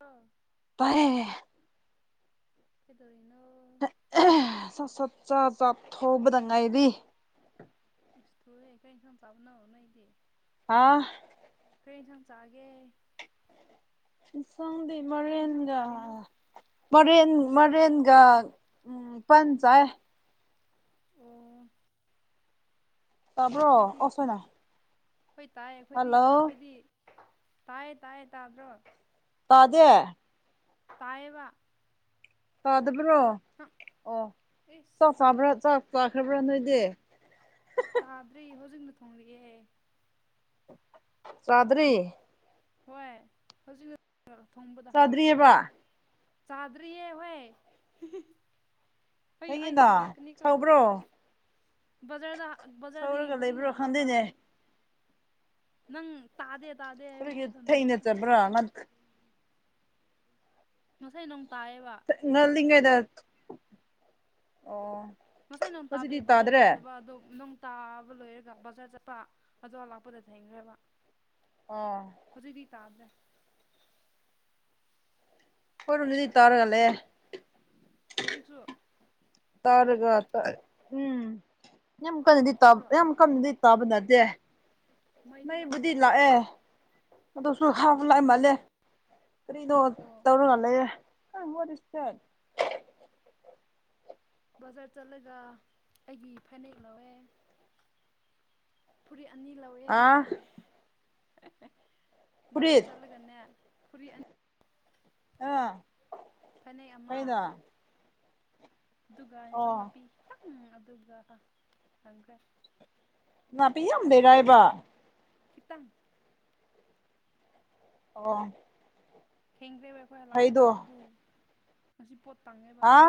ꯑꯥ ꯐꯔꯦ ꯀꯗꯧꯔꯤꯅꯣ ꯁꯠ ꯁꯠ ꯆꯠ ꯆꯠ ꯊꯧꯕꯗꯪ ꯉꯥꯏꯗꯤ ꯏꯁ ꯊꯨꯋꯦ ꯀꯩ ꯏꯟꯁꯥꯡ ꯆꯕꯅꯣ ꯅꯣꯏꯗꯤ ꯑꯥ ꯀꯔꯤ ꯌꯦꯟꯁꯥꯡ ꯆꯥꯒꯦ ꯏꯟꯁꯥꯡꯗꯤ ꯀꯔꯤ ꯏꯟꯁꯥꯡ ꯃꯥꯢꯔꯦꯟꯒ ꯆꯥꯔꯤꯅꯣ ꯃꯔꯦꯟ ꯃꯔꯦꯟꯒ ꯄꯟꯆꯥꯌꯦ ꯑꯣ ꯇꯥꯕ꯭ꯔꯣ ꯑꯩꯈꯣꯏꯗꯤ ꯑꯣꯁꯣꯏꯅ ꯍꯣꯏ ꯇꯥꯏꯌꯦ ꯑꯩꯈꯣꯏꯗꯤ ꯑꯩꯈꯣꯏꯗꯤ ꯇꯥꯏꯌꯦ ꯇꯥꯏꯌꯦ ꯇꯥꯗ꯭ꯔꯣ ꯇꯥꯗꯦ ꯇꯥꯏꯌꯦꯕ ꯇꯥꯗꯕ꯭ꯔꯣ ꯅꯪ ꯑꯣ ꯏꯁ ꯆꯠ ꯆꯕ꯭ꯔꯣ ꯂꯣꯏꯔꯦꯍꯦ ꯆꯠ ꯄꯥꯈ꯭ꯔꯕ꯭ꯔꯥ ꯅꯣꯏꯗꯦ ꯆꯥꯗ꯭ꯔꯤ ꯍꯧꯖꯤꯛꯅ ꯊꯣꯡꯂꯤꯑꯦ ꯆꯥꯗꯔꯤ ꯍꯣꯏ ꯍꯧꯖꯤꯛ ꯈꯛꯇꯦ ꯊꯣꯡꯕꯗ ꯍꯥꯎꯔꯤꯑꯕ ꯆꯥꯗ꯭ꯔꯤꯑꯕ ꯆꯥꯗꯔꯤꯌꯦ ꯍꯣꯏ ꯑꯩ ꯑꯩ ꯊꯦꯡꯉꯤꯅ ꯁꯔꯛꯀꯅꯤꯀꯣ ꯁꯧꯕ꯭ꯔꯣ ꯕꯖꯔꯗ ꯕꯖꯥꯔꯗ ꯁꯧꯔꯒ ꯌꯦꯡ ꯍꯧꯖꯤꯛꯅ ꯂꯩꯕ꯭ꯔꯣ ꯍꯜꯂꯛꯄ ꯈꯪꯗꯦꯅꯦ ꯑꯗꯨꯒꯤ ꯅꯪ ꯇꯥꯗꯦ ꯇꯥꯗꯦ ꯍꯥꯢꯕꯒꯤ ꯀꯔꯤꯒꯤ ꯑꯩ ꯁꯥꯎꯅꯤꯡꯕ [unintelligible] ꯉꯁꯥꯏ ꯅꯣꯡ ꯇꯥꯏꯑꯦꯕ ꯉꯟꯂꯤꯉꯩꯗ ꯑꯣ ꯉꯁꯥꯏ ꯅꯣꯡ ꯇꯥꯕꯤ ꯍꯧꯖꯤꯛꯇꯤ ꯕꯖꯥꯔ ꯇꯥꯗ꯭ꯔꯦ ꯆꯠꯇꯕ ꯑꯗꯣꯝ ꯅꯪ ꯇꯥꯕ ꯂꯣꯏꯔꯒ ꯕꯖꯥꯔ ꯆꯠꯄ ꯑꯗꯨ ꯂꯥꯛꯄꯗ ꯊꯦꯡꯈ꯭ꯔꯦꯕ ꯑꯣ ꯍꯧꯖꯤꯛꯇꯤ ꯇꯥꯗ꯭ꯔꯦ ꯑꯩꯈꯣꯢꯔꯣꯝꯗꯗꯤ ꯇꯔ ꯂꯩꯌꯦ ꯍꯣꯖꯤꯛꯁꯨ ꯇꯥꯔꯒ ꯎꯝ ꯌꯥꯝ ꯀꯟꯅꯗꯤ ꯂꯥꯛꯄ꯭ꯔꯣ ꯌꯥꯝ ꯀꯟꯅꯗꯤ ꯇꯥꯕ ꯅꯠꯇꯦ ꯃꯩꯗꯤ ꯃꯩꯕꯨꯗꯤ ꯂꯥꯛꯄ꯭ꯔꯣ ꯂꯥꯛꯑꯦ ꯑꯗꯨꯁꯨ ꯍꯥꯞ ꯑꯣ ꯂꯥꯛꯑꯦ ꯃꯥꯜꯂꯦ ꯀꯔꯤꯗꯣ ꯑꯣ ꯇꯧꯔꯒ ꯂꯩꯔꯦ ꯑ ꯋꯥꯠ ꯢꯁ ꯗꯦꯠ ꯕꯖꯥꯔ ꯆꯠꯂꯒ ꯑꯩꯒꯤ ꯐꯅꯦꯛ ꯂꯧꯋꯦ ꯐꯨꯔꯤꯠ ꯑꯅꯤ ꯂꯧꯋꯦ ꯑꯥ ꯕꯖꯥꯔ ꯐꯨꯔꯤꯠ ꯆꯠꯂꯒ ꯒꯅꯦ ꯐꯨꯔꯤ ꯑꯅꯤ ꯑꯥ ꯐꯅꯦꯛ ꯑꯃ ꯐꯩꯅ ꯑꯗꯨꯒ ꯌꯦꯟꯖꯥꯡ ꯑꯣ ꯅꯥꯄꯤ ꯈꯤꯇꯪ ꯑꯗꯨꯒ ꯈꯪꯈ꯭ꯔꯦ ꯅꯥꯄꯤ ꯌꯥꯝ ꯂꯩꯔꯑꯕ ꯈꯤꯇꯪ ꯑꯣ ꯊꯦꯡꯗ꯭ꯔꯦꯕ ꯑꯩꯈꯣꯏ ꯂꯥꯛꯄꯗ ꯐꯩꯗꯣ ꯑꯗꯨ ꯉꯁꯤ ꯄꯣꯠ ꯇꯪꯉꯦꯕ ꯍꯥ ꯑꯗꯨꯒꯤ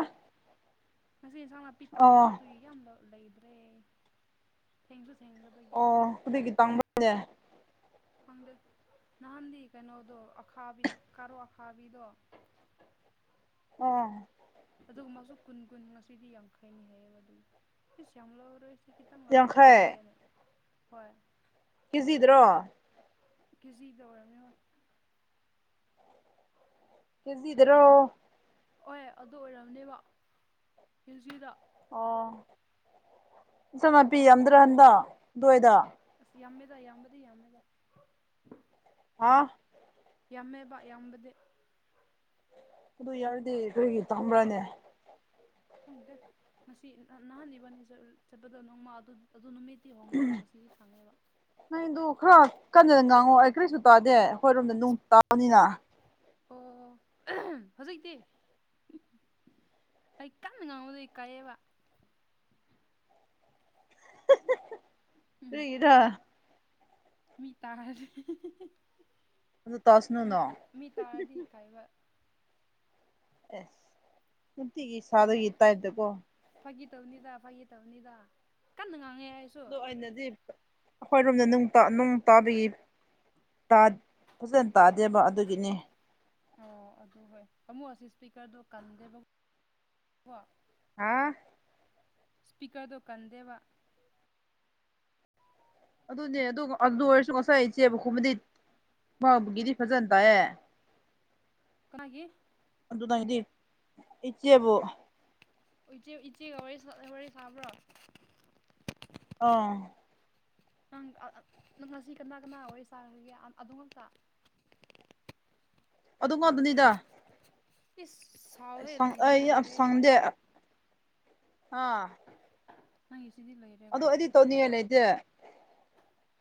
ꯉꯁꯤ ꯏꯟꯁꯥꯡ ꯅꯥꯄꯤ ꯑꯣ ꯇꯥꯡꯉꯦꯕ ꯑꯗꯨꯒꯤ ꯌꯥꯝ ꯂꯩꯗ꯭ꯔꯦ ꯊꯦꯡꯁꯨꯁꯨ ꯊꯦꯡ꯭ꯈꯔ ꯑꯣ ꯀꯔꯤꯒꯤ ꯇꯥꯡꯕꯅꯦ ꯈꯪꯗꯦ ꯅꯍꯥꯟꯗꯤ ꯀꯩꯅꯣꯗꯣ ꯑꯈꯥꯕꯤ ꯀꯥꯔꯣꯠ ꯑꯈꯥꯕꯤꯗꯣ ꯑꫭ ꯑꯗꯨꯒꯨꯝ ꯃꯥꯁꯨ ꯀꯨꯟ ꯀꯨꯟ ꯉꯁꯤꯗꯤ ꯌꯥꯡꯈꯩꯅꯤ ꯍꯥꯏꯑꯕ ꯑꯗꯨꯝ ꯏꯁꯁ ꯌꯥꯝ ꯂꯧꯔꯣꯏ ꯁꯤ ꯈꯤꯇꯪ ꯂꯧꯔꯒ ꯌꯥꯡꯈꯩ ꯍꯟꯗꯣꯏꯁꯦꯅꯦ ꯍꯣꯏ ꯀꯦꯖꯤꯗ꯭ꯔꯣ ꯀꯖꯤꯗ ꯑꫭꯔꯝꯅꯤꯑꫭꯏ ꯀꯖꯤꯗꯔꯣ ꯍꫭꯏ ꯑꯗꯨ ꯑꯣꯏꯔꯝꯅꯦꯕ ꯀꯦꯖꯤꯗꯥ ꯑꯣ ꯏꯟꯖꯥꯡꯅꯥꯄꯤ ꯌꯥꯝꯗ꯭ꯔꯥ ꯍꯟꯗꯥꯛ ꯑꯗꯨꯋꯥꯏꯗ ꯑꯁ ꯌꯥꯝꯃꯦꯗ ꯌꯥꯝꯕꯗꯤ ꯌꯥꯝꯃꯦꯗ ꯍꯥꯎ ꯌꯥꯝꯃꯦꯕ ꯌꯥꯝꯕꯗꯤ ꯑꯗꯨ ꯌꯥꯔꯗꯤ ꯀꯔꯤꯒꯤ ꯇꯝꯕ꯭ꯔꯥꯅꯦ ꯈꯪꯗꯦ ꯉꯁꯤ ꯅꯍꯥꯟ ꯏꯕꯅꯤ ꯆꯠꯄꯗꫭ ꯅꯣꯡꯃ ꯑꯗꯨ ꯅꯨꯃꯤꯠ ꯉꯁꯤ ꯍꯣꯡꯉꯦꯕ ꯉꯁꯤꯗꯤ ꯇꯥꯡꯉꯦꯕ ꯅꯪꯗꯨ ꯈꯔ ꯀꯟꯅ ꯉꯥꯡꯉꯣ ꯑꯩ ꯀꯔꯤꯁꯨ ꯇꯥꯗꯦ ꯑꯩꯈꯣꯏꯔꯣꯝꯗ ꯅꫭꯡ ꯇꯥꯕꯅꯤꯅ ꯑꯣ ꯍꯧꯖꯤꯛꯇꯤ ꯑꯩ ꯀꯟꯅ ꯉꯥꯡꯕꯗꯣ ꯏꯀꯥꯏꯌꯦꯕ ꯎꯝ ꯀꯔꯤꯒꯤꯔꯥ ꯃꯤ ꯇꯥꯔꯗꯤ ꯑꯗꯨ ꯃꯤ ꯇꯁꯥꯅꯨꯅ ꯃꯤ ꯇꯥꯔꯗꯤ ꯏꯀꯥꯏꯕ ꯑꯦꯁ ꯅꯨꯡꯇꯤꯒꯤ ꯐꯥꯒꯤ ꯁꯥꯗꯨꯏꯒꯤ ꯇꯥꯞꯇꯥ ꯀꯣ ꯐꯥꯒꯤ ꯇꯧꯅꯤꯗ ꯐꯥꯒꯤ ꯇꯧꯅꯤꯗ ꯀꯟꯅ ꯉꯥꯡꯉꯦ ꯑꯩ ꯑꯗꫭ ꯑꯩꯅꯗꯤ ꯑꯩꯈꯣꯏꯔꯣꯝꯗ ꯅꯨꯡ ꯇꯥ ꯅꯨꯡ ꯇꯥꯕꯤꯒꯤ ꯐꯖꯅ ꯇꯥꯗꯦꯕ ꯑꯗꯨꯒꯤꯅꯦ ꯑꯣ ꯑꯗꯨ ꯍꯣꯏ ꯑꯃꯨꯛ ꯑꯁꯤ ꯏꯁꯄꯤꯀꯔꯗꯣ ꯀꯟꯗꯦꯕ [unintelligible] ꯀꯣ ꯍꯥꯥ ꯁ꯭ꯄꯤꯀꯔꯗꯣ ꯀꯟꯗꯦꯕ ꯑꯗꯨꯅꯦ ꯑꯗꯨ ꯑꯗꯨ ꯑꯣꯏꯔꯁꯨ ꯉꯁꯥꯏ ꯏꯆꯦꯕ ꯈꯨꯝꯕꯗꯤ ꯃꯥꯡꯕꯒꯤꯗꯤ ꯐꯖꯅ ꯇꯥꯏꯑꯦ ꯀꯅꯥꯒꯤ ꯑꯗꯨꯗꯩꯗꯤ ꯏꯆꯦꯕꯨ ꯑꫭ ꯏꯆꯦ ꯏꯆꯦꯒ ꯋꯥꯔꯤ ꯋꯥꯔꯤ ꯁꯥꯕ꯭ꯔꯣ ꯑꯣ ꯅꯪ ꯅꯪ ꯉꯁꯤ ꯀꯅꯥ ꯀꯅꯥ ꯋꯔꯤ ꯆꯥꯈꯒꯦ ꯑꯗꯨ ꯉꯛꯇ ꯑꯗꯨ ꯉꯛꯇꯅꯤꯗ ꯏꯁ ꯁꯥꯎꯍꯦ [unintelligible] ꯑꯩ ꯅꯪꯒꯤꯁꯤꯗꯤ ꯌꯥꯝ ꯂꯣꯏꯔꯦ ꯁꯪꯗꯦ ꯑꯥ ꯅꯪꯒꯤ ꯁꯤꯗꯤ ꯂꯩ ꯑꯗꯨ ꯑꯩꯗꯤ ꯇꯧꯅꯤꯡꯉꯥꯏ ꯂꯩꯇꯦ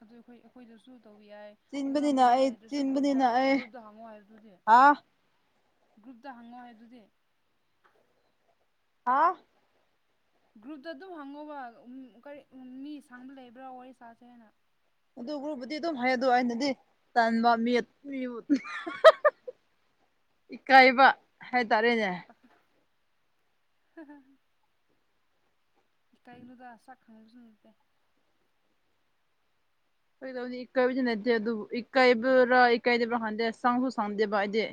ꯑꯗꯨ ꯑꯩꯈꯣꯏ ꯑꯩꯈꯣꯏꯗꯁꯨ ꯇꯧꯕ ꯌꯥꯏ ꯑꯗꯨ ꯅꯪꯅ ꯆꯤꯟꯕꯅꯤꯅ ꯑꯩ ꯇꯧꯅꯤꯡꯉꯥꯏ ꯂꯩꯇꯔꯁꯨ ꯒ꯭ꯔꯨꯞꯇ ꯆꯤꯟꯕꯅꯤꯅ ꯑꯩ ꯒ꯭ꯔꯨꯞꯇ ꯍꯪꯉꯣ ꯍꯪ ꯑꫭ ꯑꯗꯨꯗꯤ ꯍꯥ ꯒ꯭ꯔꯨꯞꯇ ꯍꯪꯉꯣ ꯍꯦ ꯑꯗꯨꯗꯤ ꯍꯥꯥ ꯒ꯭ꯔꯨꯞꯇ ꯑꯗꯨꯝ ꯍꯪꯉꯣꯕ ꯀꯔꯤ ꯃꯤ ꯁꯥꯡꯕ ꯂꯩꯕ꯭ꯔꯥ ꯋꯥꯔꯤ ꯁꯥꯥꯁꯦ ꯍꯥꯏꯅ ꯑꯗꯨ ꯒ꯭ꯔꯨꯕꯨꯗꯤ ꯑꯗꯨꯝ ꯍꯥꯏꯗꯣ ꯑꯩꯅꯗꯤ ꯇꯟꯕ ꯃꯤ ꯏꯀꯥꯏꯕ ꯍꯥꯏꯇꯥꯔꯦꯅꯦ ꯍꯥ ꯍꯥ ꯏꯀꯥꯏꯅꯨꯗ ꯁꯛ ꯈꯪꯕꯁꯨ ꯁꯨꯟꯗꯦ ꯀꯩꯗꯧꯅꯤ ꯏꯀꯥꯏꯕꯁꯨ ꯅꯠꯇꯦ ꯑꯗꯨꯕꯨ ꯏꯀꯥꯏꯕ꯭ꯔꯥ ꯏꯀꯥꯏꯗꯕ꯭ꯔꯥ ꯍꯥꯟꯗꯦ ꯁꯥꯡꯁꯨ ꯁꯥꯡꯗꯦꯕ ꯑꯩꯗꯤ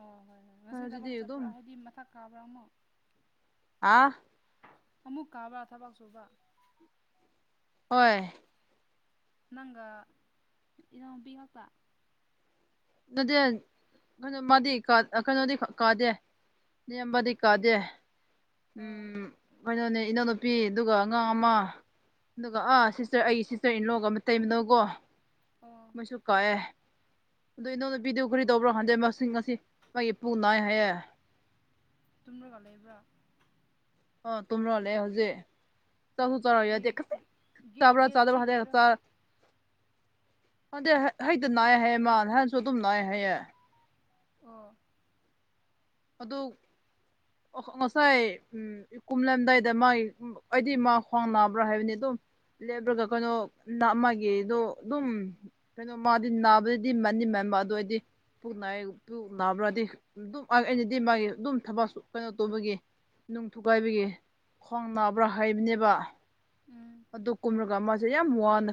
ꯑꯣ ꯍꯣꯏ ꯍꯣꯏ ꯉꯁꯤ ꯊꯕꯛ ꯑꯗꯨꯗꯤ ꯆꯠꯄ꯭ꯔꯣ ꯑꯗꯨꯝ ꯍꯥꯏꯗꯤ ꯃꯊꯛ ꯀꯥꯕ꯭ꯔꯥ ꯑꯃꯨꯛ ꯑꯥ ꯑꯃꯨꯛ ꯀꯥꯕ꯭ꯔꯥ ꯊꯕꯛ ꯁꯨꯕ ꯍꯣꯏ ꯅꯪꯒ ꯏꯅꯥꯎꯄꯤ ꯉꯥꯛꯇ ꯅꯗꯦ ꯀꯩꯅꯣ ꯃꯥꯗꯤ ꯀꯩꯅꯣꯗꯤ ꯀꯥꯗꯦ ꯅꯦꯝꯕꯗꯤ ꯀꯥꯗꯦ ꯑꯣ ꯎꯝ ꯀꯩꯅꯣꯅꯦ ꯏꯅꯎꯅꯨꯄꯤ ꯑꯗꯨꯒ ꯑꯉꯥꯡ ꯑꯃ ꯑꯗꯨꯒ ꯑꯥ ꯁꯤꯁꯇꯔ ꯑꯩ ꯁꯤꯁꯇꯔ ꯏꯟꯂꯣꯒ ꯑꯃ ꯇꯩꯕꯅꯧꯀꯣ ꯑꯣ ꯃꯣꯏꯁꯨ ꯀꯥꯏꯑꯦ ꯑꯗꯨꯣ ꯏꯅꯧ ꯅꯨꯄꯤꯗꯨ ꯀꯔꯤ ꯑꯣ ꯇꯧꯕ꯭ꯔꯥ ꯈꯟꯗꯦ ꯉꯁꯤ ꯃꯥꯒꯤꯄꯨꯡ ꯅꯥꯏ ꯍꯥꯏꯌꯦ ꯇꯨꯝꯃ꯭ꯔꯒ ꯂꯩꯕ꯭ꯔꯥ ꯑꯣ ꯇꯨꯝꯔꯒ ꯂꯩ ꯍꯧꯖꯤꯛ ꯆꯥꯛ ꯆꯔ ꯀꯔꯤ ꯀꯔꯤ ꯒꯦ ꯆꯥꯕꯔ ꯆꯥꯗꯔꯥ ꯒꯦꯁꯇ꯭ꯔꯤꯒꯤꯔ ꯈꯪꯗꯦ ꯑꯗꯨꯗꯗꯤ ꯍꯩꯗꯤ ꯅꯥꯏ ꯍꯥꯏꯌꯦ ꯃꯥ ꯅꯍꯥꯟꯁꯨ ꯑꯗꯨꯝ ꯅꯥꯏ ꯍꯥꯏꯌꯦ ꯑꯣ ꯑꯗꯨ ꯉꯁꯥꯏ ꯎꯝ ꯀꯨꯝꯂꯝꯗꯥꯏꯗ ꯃꯥꯒꯤ ꯑꯩꯗꯤ ꯃꯥ ꯈ꯭ꯋꯥꯡ ꯅꯥꯕ꯭ꯔꯥ ꯍꯥꯏꯕꯅꯤ ꯑꯗꯨꯝ ꯂꯦꯞꯕ꯭ꯔꯒ ꯀꯩꯅꯣ ꯅ ꯃꯥꯒꯤꯗꯣ ꯑꯗꯨꯝ ꯀꯩꯅꯣ ꯃꯥꯗꯤ ꯅꯥꯕꯗꯗꯤ ꯃꯅꯤ ꯃꯟꯕ ꯑꯗꯨ ꯑꯣꯏꯔꯗꯤ ꯄꯨ ꯅꯥꯏ ꯄꯨ ꯅꯥꯕ꯭ꯔꯗꯤ ꯑꯗꯨꯝ ꯑꯩꯅꯗꯤ ꯃꯥꯒꯤ ꯑꯗꯨꯝ ꯊꯕꯛꯁꯨ ꯀꯩꯅꯣ ꯇꯧꯕꯒꯤ ꯅꯨꯡ ꯊꯨꯒꯥꯏꯕꯒꯤ ꯈ꯭ꯋꯥꯡ ꯅꯥꯕ꯭ꯔꯥ ꯍꯥꯏꯕꯅꯦꯕ ꯎꯝ ꯑꯗꯨ ꯀꯨꯝꯔꯒ ꯃꯥꯁꯦ ꯌꯥꯝ ꯋꯥꯅ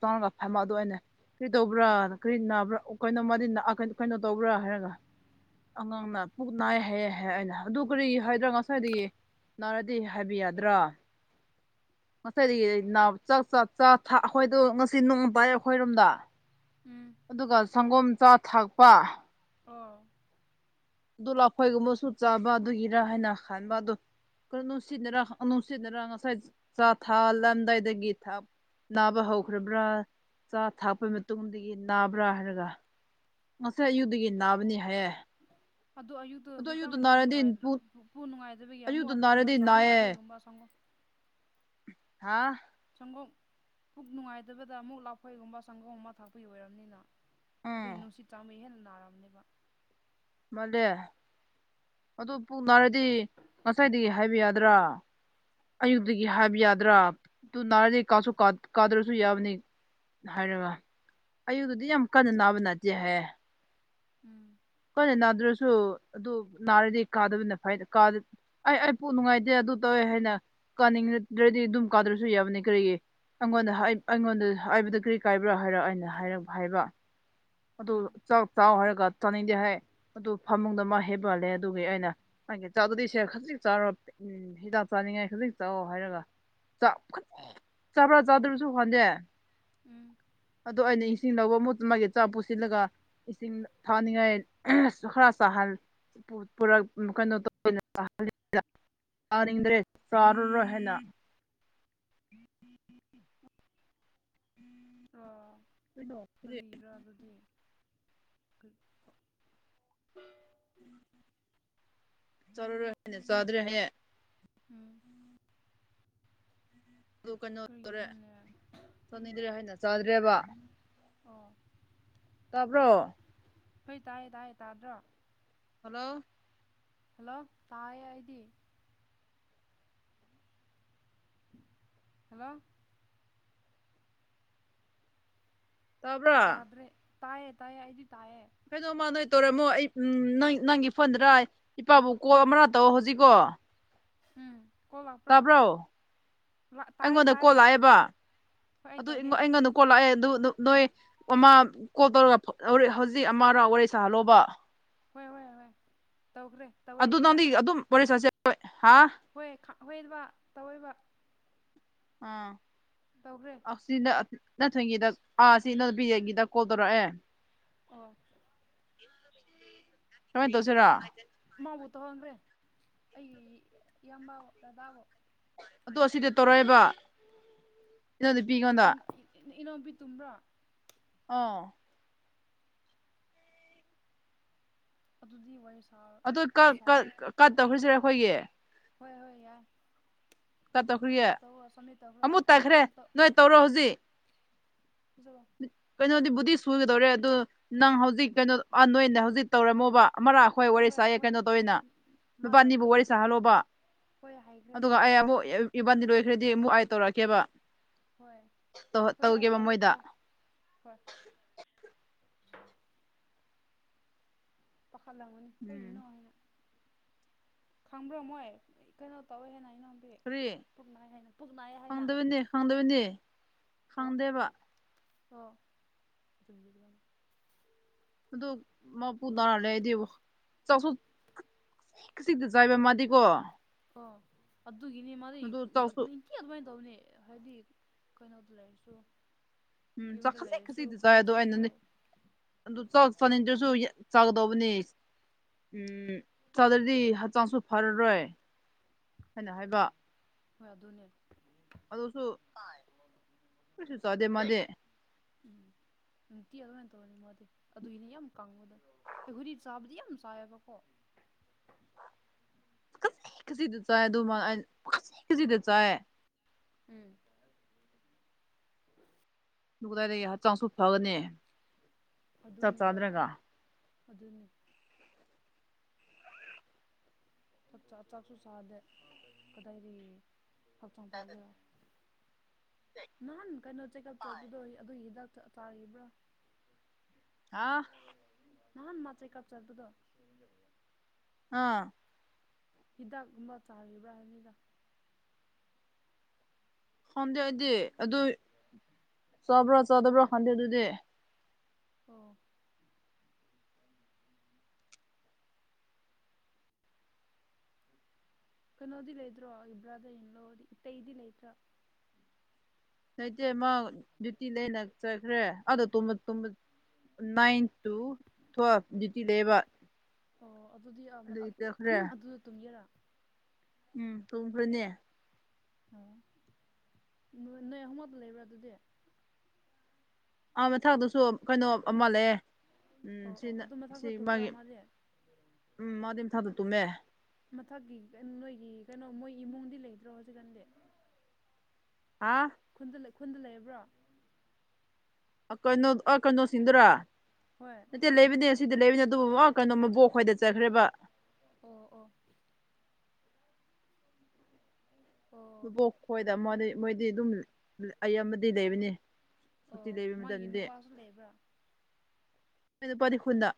ꯇꯥꯡꯉꯒ ꯐꯝꯃ ꯑꯗꯨ ꯑꯣꯏꯅꯦ ꯀꯔꯤ ꯇꯧꯕ꯭ꯔꯥ ꯀꯔꯤ ꯅꯥꯕ꯭ꯔꯥ ꯀꯩꯅꯣꯗꯤ ꯀꯩꯅꯣ ꯇꯧꯕ꯭ꯔꯥ ꯍꯥꯏꯔꯒ ꯑꯉꯥꯡꯅ ꯄꯨꯨꯛ ꯅꯥꯏ ꯍꯥꯏ ꯍꯥꯏ ꯑꯩꯅ ꯑꯗꯨ ꯀꯔꯤ ꯍꯥꯏꯗ꯭ꯔꯥ ꯉꯁꯥꯏꯗꯒꯤ ꯅꯥꯔꯗꯤ ꯍꯥꯏꯕꯤ ꯌꯥꯗ꯭ꯔꯥ ꯉꯁꯥꯏꯗꯒꯤ ꯅꯥ ꯆꯥꯛ ꯆꯕ ꯑꯩꯈꯣꯏꯗꯣ ꯉꯁꯤ ꯅꯣꯡ ꯄꯥꯏ ꯑꯩꯈꯣꯏꯔꯣꯝꯗ ꯎꯝ ꯑꯗꯨꯒ ꯁꯪꯒꯣꯝꯆꯥ ꯊꯥꯛꯄ ꯑꯣ ꯑꯗꯨ ꯂꯈꯣꯏꯒꯨꯝꯕꯁꯨ ꯆꯥꯕ ꯑꯗꯨꯒꯤꯔ ꯍꯥꯏꯅ ꯈꯟꯕ ꯑꯗꯨ ꯀꯅꯨꯡꯁꯤꯅ ꯔꯁꯤꯅ ꯔꯁꯥꯏ ꯆ ꯊꯥ ꯂꯥꯟꯗꯥꯏꯗ ꯊꯞ ꯅꯕ ꯍꯧꯈ꯭ꯔꯕ꯭ꯔꯥ ꯆꯥ ꯊꯥꯛꯄꯒꯤ ꯃꯇꯨꯡꯗꯒꯤ ꯅꯥꯕ꯭ꯔꯥ ꯍꯥꯏꯔꯒ ꯉꯁꯥꯏ ꯑꯌꯨꯗꯒꯤ ꯅꯥꯕꯅꯤ ꯍꯥꯏꯌꯦ ꯑꯗꯣ ꯑꯌꯨꯛ ꯇꯨ ꯑꯗꯣ ꯈꯤꯇꯪ ꯑꯌꯨꯛꯇ ꯄꯨꯛ ꯅꯥꯔꯗꯤ ꯅꯨꯡꯉꯥꯏ ꯄꯨꯛ ꯅꯨꯡꯉꯥꯏꯗꯕꯒꯤ ꯑꯃꯨꯛ ꯑꯌꯨꯛꯇ ꯑꯗꯨꯒꯨꯝꯕ ꯅꯥꯔꯗꯤ ꯆꯥꯕ ꯅꯥꯏꯌꯦ ꯂꯐꯣꯏꯒꯨꯝꯕ ꯁꯪꯒꯣꯝ ꯍꯥ ꯁꯪꯒꯣꯝ ꯄꯨꯛ ꯅꯨꯡꯉꯥꯏꯇꯕꯗ ꯑꯃꯨꯛ ꯂꯥꯐꯣꯏꯒꯨꯝꯕ ꯁꯪꯒꯣꯝꯒꯨꯝꯕ ꯊꯛꯄꯩ ꯑꯣꯏꯔꯝꯅꯤꯅ ꯑꯗꯨꯏ ꯎꯝ ꯅꯨꯡꯁꯤꯠ ꯆꯪꯕꯩ ꯍꯦꯟꯅ ꯅꯥꯔꯝꯅꯦꯕ ꯃꯥꯂꯦ ꯑꯗꯨ ꯄꯨꯡ ꯅꯥꯔꯦ ꯗꯤ ꯉꯁꯥꯏꯗꯒꯤ ꯍꯥꯏꯕ ꯌꯥꯗ꯭ꯔꯥ ꯑꯌꯨꯛꯇꯒꯤ ꯍꯥꯏꯕ ꯌꯥꯗ꯭ꯔꯥ ꯇꯨ ꯅꯥꯔꯗꯤ ꯀꯥꯁꯨ ꯀꯥꯗ꯭ꯔꯁꯨ ꯌꯥꯕꯅꯤ ꯍꯥꯏꯔꯒ ꯑꯌꯨꯛꯇꯗꯤ ꯌꯥꯝ ꯀꯟꯅ ꯅꯥꯕ ꯅꯠꯇꯦꯍꯌꯦ ꯎꯝ ꯀꯣꯏꯅ ꯅꯥꯗ꯭ꯔꯁꯨ ꯑꯗꯨ ꯅꯥꯔꯗꯤ ꯀꯥꯗꯕꯅꯤꯅ ꯐ ꯑꯩ ꯑꯩ ꯄ ꯅꯨꯡꯉꯥꯏꯇꯦ ꯑꯗꯨ ꯇꯧꯋꯦ ꯍꯥꯏꯅ ꯀꯥꯅꯤꯡꯗ꯭ꯔꯗꯤ ꯑꯗꯨꯝ ꯀꯥꯗ꯭ꯔꯁꯨ ꯌꯥꯕꯅꯤ ꯀꯔꯤꯒꯤ ꯑꯩꯉꯣꯟꯗ ꯑꯩꯉꯣꯟꯗ ꯍꯥꯏꯕꯗ ꯀꯔꯤ ꯀꯥꯏꯕ꯭ꯔꯥ ꯍꯥꯏꯔ ꯑꯩꯅ ꯍꯥꯏꯔꯞ ꯍꯥꯏꯕ ꯑꯗꯨ ꯎꯝ ꯆꯥꯛ ꯆꯥꯎ ꯍꯥꯏꯔꯒ ꯆꯥꯅꯤꯡꯗꯦ ꯍꯥꯏ ꯑꯗꯨ ꯐꯃꯨꯡꯗ ꯃꯥ ꯍꯦꯕꯜꯂꯦ ꯑꯗꯨꯒꯤ ꯑꯩꯅꯒꯤ ꯆꯥꯗꯨꯗꯤꯁꯦ ꯈꯖꯤꯛ ꯆꯥꯔ ꯎꯝ ꯍꯤꯗꯥꯛ ꯆꯥꯅꯤꯡꯉꯥꯏ ꯈꯖꯤꯛ ꯆꯥꯛꯑꯣ ꯍꯥꯏꯔꯒ ꯆꯥꯛ ꯆꯄ꯭ꯔꯥ ꯆꯥꯗꯔꯁꯨ ꯍꯟꯗꯦ ꯎꯝ ꯑꯗ ꯑꯩꯅ ꯏꯁꯤꯡ ꯂꯧꯕ ꯃꯨ ꯃꯥꯒꯤ ꯆꯥ ꯄꯨꯁꯤꯜꯂꯒ ꯏꯁꯤꯡ ꯊꯥꯅꯤꯡꯉꯥꯏ ꯈꯔ ꯆꯥꯍꯜ ꯄꯨꯔꯛ ꯀꯩꯅꯣꯗꯣ [unintelligible] ꯆꯥꯅꯤꯡꯗ꯭ꯔꯦ ꯆꯥꯔꯔꯣꯏ ꯍꯥꯏꯅ [unintelligible] ꯑꯣ ꯣꯛꯇꯔꯦ ꯀꯔꯤꯒꯤꯔꯥ ꯑꯗꯨꯗꯤ ꯆꯠꯂꯨꯔꯣꯏꯅꯦ ꯆꯥꯗ꯭ꯔꯦ ꯍꯌꯦ ꯎꯝ ꯑꯗꯨ ꯀꯩꯅꯣ ꯇꯧꯔꯦ ꯀꯏꯅꯣꯅꯦ ꯆꯥꯅꯤꯡꯗ꯭ꯔꯦ ꯍꯥꯏꯅ ꯆꯥꯗ꯭ꯔꯦꯕ ꯑꯣ ꯇꯥꯕ꯭ꯔꯣ ꯍꯣꯏ ꯇꯥꯏꯌꯦ ꯇꯥꯏꯌꯦꯦ ꯇꯥꯗ꯭ꯔꯣ ꯍꯜꯂꯣ ꯍꯜꯂꯣ ꯇꯥꯏ ꯍꯥꯏꯗꯤ ꯍꯜꯂꯣ ꯇꯥꯕ꯭ꯔꯥ ꯇꯥꯗ꯭ꯔꯦ ꯇꯥꯏꯌꯦ ꯇꯥꯏꯌꯦ ꯑꯩꯗꯤ ꯇꯥꯏꯌꯦ ꯀꯩꯅꯣ ꯃꯥ ꯅꯣꯏ ꯇꯧꯔꯝꯃꯣ ꯑꯩ ꯎꯝꯪ ꯅꯪꯒꯤ ꯐꯣꯟꯗ꯭ꯔ ꯏꯄꯥꯕꯨ ꯀꯣꯜ ꯑꯃꯔ ꯇꯧ ꯍꯧꯖꯤꯛꯀꯣ ꯎꯝ ꯀꯣꯜ ꯂꯥꯛꯄ꯭ꯔꯣ ꯇꯥꯕ꯭ꯔꯣ ꯇꯥꯌꯦ ꯑꯩꯉꯣꯟꯗ ꯀꯣꯜ ꯇꯥꯥꯏꯌꯦ ꯂꯥꯛꯑꯦꯕ ꯍꯣꯏ ꯑꯩ ꯑꯗꯨ ꯇꯧꯒꯦ ꯑꯩꯉꯣꯟꯗ ꯀꯣꯜ ꯂꯥꯛꯑꯦ ꯑꯗꯨ ꯅꯣꯏ ꯑꯃ ꯀꯣꯜ ꯇꯧꯔꯒ ꯍꯧꯖꯤꯛ ꯑꯃꯔꯥꯎ ꯋꯥꯔꯤ ꯁꯥꯍꯜꯂꯣꯕ ꯍꯣꯏ ꯍꯣꯏ ꯍꯣꯏ ꯇꯧꯈ꯭ꯔꯦ ꯇꯧꯋꯦ ꯁꯤꯗ [unintelligible] ꯍꯣꯏ ꯍꯣꯏꯕꯕꯥ ꯇꯧꯔꯣꯏꯕ ꯑꯥ ꯇꯧꯈ꯭ꯔꯦ ꯁꯤ ꯅꯊꯣꯏꯒꯤꯗ ꯑꯥ ꯁꯤ ꯅ [unintelligible] ꯀꯣꯜ ꯇꯧꯔꯛꯑꯦ ꯑꯣ ꯁꯨꯃꯥꯏꯅ ꯇꯧꯁꯤꯔꯥ ꯃꯥꯕꯨ ꯇꯧꯍꯟꯈꯔꯦ ꯑꯩ ꯏꯝꯕ ꯗꯗꯥꯕꯣ ꯑꯗꯨ ꯑꯁꯤꯗ ꯇꯧꯔꯛꯑꯦꯕ [unintelligible] ꯑꯗꯨ ꯏꯅꯥꯎꯕꯤ ꯇꯨꯝꯕ꯭ꯔꯣ ꯑꯧ ꯑꯗꯨꯗꯤ ꯋꯥꯔꯤꯁ ꯑꯗꯨꯗ ꯀꯠ ꯀꯠ ꯀꯠ ꯇꯧꯈ꯭ꯔꯥꯁꯤꯔꯥ ꯑꯩꯈꯣꯏꯒꯤ ꯍꯣꯏ ꯍꯣꯏ ꯌꯥꯏ ꯇꯧꯈ꯭ꯔꯤꯌꯦ ꯈꯔ ꯇꯧꯔꯒ ꯁꯝꯃꯤꯠ ꯇꯧꯈ꯭ꯔꯣ ꯑꯃꯨꯛ ꯑꯩ ꯇꯠꯈ꯭ꯔꯦ ꯑꯩꯅ ꯇꯧ ꯅꯣꯏ ꯇꯧꯔꯣ ꯍꯧꯖꯤꯛ [unintelligible] ꯀꯩꯅꯣꯗꯤ ꯕꯨꯗꯤꯤ ꯁꯨꯒꯗꯧꯔꯦ ꯑꯗꯨ ꯅꯪ ꯍꯧꯖꯤꯛ ꯀꯩꯅꯣ ꯅꯣꯏꯗ ꯍꯧꯖꯤꯛ ꯇꯧꯔꯝꯃꯣꯕ ꯑꯃꯔꯥ ꯍꯣꯏ ꯋꯥꯔꯤ ꯁꯥꯏꯌꯦꯦ ꯀꯩꯅꯣ ꯇꯧꯋꯤꯅ ꯃꯥ ꯅꯨꯄꯥ ꯑꯅꯤꯕꯨ ꯇꯧꯔꯤꯌꯦ ꯋꯥꯔꯤ ꯍꯣꯏ ꯁꯥꯍꯜꯂꯣꯕ ꯍꯣꯏ ꯍꯥꯏꯈ꯭ꯔꯦꯕ ꯑꯗꯨꯒ ꯑꯩ ꯑꯃꯨꯛ ꯏꯕꯥꯟꯗꯤ ꯂꯣꯏꯈ꯭ꯔꯗꯤ ꯑꯃꯨꯛ ꯑꯥꯏ ꯇꯧꯔꯛꯀꯦꯕ ꯍꯣꯏ ꯍꯧꯖꯤꯛ ꯑꯩ ꯇꯧꯒꯦꯕ ꯇꯧꯕꯗ ꯃꯣꯏꯗ ꯑꯥ ꯍꯣꯏ ꯄꯥꯈꯠꯂꯝꯒꯅꯤ ꯎꯝ ꯀꯩꯒꯤꯅꯣ ꯍꯥꯏꯅ ꯈꯪꯕ꯭ꯔꯣ ꯃꯣꯏ ꯀꯩꯅꯣ ꯇꯧꯋꯦ ꯍꯥꯏꯅ [unintelligible] ꯀꯔꯤ ꯄꯨꯛ ꯍꯥꯏꯅ ꯄꯨꯛꯅꯥ ꯍꯥꯏꯅ ꯈꯪꯗꯕꯅꯤ ꯈꯪꯗꯕꯅꯤ ꯈꯪꯗꯦꯕ ꯑꯣ [unintelligible] ꯑꯗꯨꯗꯣ ꯃꯥꯄꯨꯗ ꯂꯩꯗꯦꯕ ꯆꯁꯨ [unintelligible] ꯑꯣ ꯑꯗꯨꯒꯤꯅꯦ [unintelligible] ꯑꯗꯨ ꯆꯥꯛꯁꯨ ꯀ ꯑꯗꯨꯃꯥꯏꯅ ꯇꯧꯅꯤ ꯍꯥꯏꯗꯤ ꯀꯩꯅꯣꯗ ꯂꯩꯔꯁꯨ ꯎꯝ ꯌꯨꯝꯗ ꯆꯈꯥꯁꯤ ꯂꯩꯔꯁꯨ ꯈꯥꯁꯤꯗꯤ ꯆꯥꯏ ꯈꯨꯟꯗ ꯑꯗꯣ ꯆꯠꯂꯁꯨ ꯑꯩꯅꯅꯦ ꯑꯗꯨ ꯐꯔꯅꯤꯆꯔꯁꯨ ꯆꯥꯒꯗꯧꯕꯅꯤ ꯎꯝ ꯆꯥꯗ꯭ꯔꯗꯤ ꯍꯛꯆꯥꯡꯁꯨ ꯐꯔꯔꯣꯏ ꯍꯥꯏꯅ ꯍꯥꯏꯕ ꯍꯣꯏ ꯑꯗꯨꯅꯦ ꯑꯗꯁꯨꯁꯨ ꯆꯗꯦ ꯃꯦ꯫ ꯎꯝ ꯅꯨꯡꯇꯤ ꯑꯗꯨꯃꯥꯏꯅ ꯇꯧꯕꯅꯤ ꯃꯥꯗꯤ ꯑꯗꯨꯒꯤꯅꯦ ꯌꯥꯝ ꯀꯥꯡꯉꯗ꯫ ꯑꯍꯨꯔꯤ ꯆꯥꯕꯗꯤ ꯌꯥꯝ ꯆꯥꯏꯑꯕꯀꯣ꯫ ꯈꯖꯤꯛ ꯈꯖꯤꯛꯇ ꯆꯥꯏ ꯑꯗꯨꯃ ꯈꯖꯤꯛꯇ ꯆꯥꯏ꯫ ꯎꯝ ꯑꯗꯨ ꯀꯗꯥꯏ ꯂꯩ ꯍꯛꯆꯥꯡꯁꯨ ꯐꯒꯅꯦ ꯑꯗꯨꯅꯤ ꯍꯣꯏ ꯑꯗꯨꯅꯤ꯫ ꯆꯥꯛꯁꯨ ꯆꯥꯗꯦ ꯀꯗꯥꯏꯗꯒꯤ꯫ ꯍꯛꯆꯥꯡ ꯐꯒꯤꯔꯣ꯫ ꯅꯍꯥꯟ ꯀꯩꯅꯣ ꯆꯦꯛꯑꯞ ꯆꯠꯄꯗꯣ ꯑꯗꯨꯒꯤ ꯗꯥꯛꯇ ꯇꯥꯔꯤꯕ꯭ꯔꯥ ꯍꯥ ꯅꯍꯥꯟ ꯃꯥ ꯆꯦ ꯀꯥꯞ ꯆꯠꯄꯗꯣ꯫ ꯑꯥ ꯍꯤꯗꯥꯛꯀꯨꯝꯕ ꯆꯥꯔꯤꯕ꯭ꯔꯥ ꯍꯥꯏꯕꯅꯤꯗ ꯈꯪꯗꯦ ꯑꯩꯗꯤ ꯑꯗꯨ ꯆꯥꯕ꯭ꯔꯣ ꯆꯥꯗꯕ꯭ꯔꯣ ꯈꯪꯗꯦ ꯑꯗꯨꯗꯤ꯫ ꯑꯣ ꯀꯩꯅꯣꯗꯤ ꯂꯩꯗ꯭ꯔꯣ ꯏꯕ꯭ꯔꯥꯗ ꯏꯜꯂꯣꯗꯤ ꯏꯇꯩꯩꯗꯤ ꯂꯩꯇ꯭ꯔꯥ꯫ ꯂꯩꯇꯦ ꯃꯥ ꯗꯌꯨꯇꯤ ꯂꯩꯅ ꯆꯠꯈ꯭ꯔꯦ ꯑꯥꯗ [unintelligible] ꯅꯏꯟ ꯇꯨ ꯇꯨꯌꯦꯞ ꯗ꯭ꯌꯨꯇꯤ ꯂꯩꯌꯦꯕ꯫ ꯑꯣ ꯑꯗꯨꯗꯤ ꯑꯗꯨꯒꯤ ꯆꯠꯈ꯭ꯔꯦ ꯑꯗꯨꯗ ꯇꯨꯝꯒꯦꯔꯥ꯫ ꯎꯝ ꯇꯣꯡꯈ꯭ꯔꯅꯦ꯫ ꯑꯣ ꯅꯣꯏ ꯑꯍꯨꯝꯃꯛ ꯂꯩꯕ꯭ꯔꯥ ꯑꯗꯨꯗꯤ ꯑꯥ ꯃꯊꯛꯇꯁꯨ ꯀꯩꯅꯣ ꯑꯃ ꯂꯩꯌꯦ꯫ ꯎꯝ ꯑꯣ ꯑꯣ ꯁꯤꯅ ꯑꯗꯨ ꯁꯤ ꯃꯊꯛꯇ ꯃꯥꯒꯤ ꯇꯨꯝꯕ꯭ꯔꯥ ꯃꯥꯗꯤ꯫ ꯎꯝ ꯃꯥꯗꯤ ꯃꯊꯟꯗ ꯇꯨꯝꯃꯦ꯫ ꯃꯊꯛꯀꯤ ꯅꯣꯏꯒꯤ ꯀꯩꯅꯣ ꯃꯣꯏ ꯏꯃꯨꯡꯗꯤ ꯂꯩꯗ꯭ꯔꯣ ꯍꯧꯖꯤꯛꯀꯥꯟꯗꯤ꯫ ꯍꯥꯥ ꯈꯨꯟꯗ ꯈꯨꯟꯗ ꯂꯩꯔꯕ꯭ꯔꯣ꯫ ꯀꯩꯅꯣ ꯀꯩꯅꯣꯁꯤꯡꯗꯨꯔꯥ ꯍꯣꯏ ꯅꯠꯇꯦ ꯂꯩꯕꯅꯦ ꯁꯤꯗꯤ ꯂꯩꯕꯅꯦ ꯑꯗꯨꯕꯨ ꯀꯩꯅꯣ ꯃꯕꯣꯛ ꯍꯣꯏꯗ ꯆꯠꯈ꯭ꯔꯦꯕ ꯑꯣ ꯑꯣ [unintelligible] ꯑꯣ ꯑꯕꯣꯛ ꯈꯣꯏꯗ ꯃꯥꯗꯤ ꯃꯣꯏꯗꯤ ꯑꯗꯨꯝ ꯑꯌꯥꯝꯕꯗꯤ ꯂꯩꯕꯅꯦ꯫ ꯑꯣ ꯃꯥꯒꯤ ꯅꯨꯄꯥꯁꯨ ꯂꯩꯕ꯭ꯔꯥ꯫ ꯃꯥꯏ ꯅꯨꯄꯥꯗꯤ꯫ ꯈꯨꯟꯗ